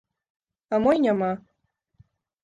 А мо і няма.